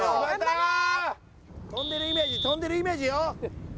跳んでるイメージ跳んでるイメージよ。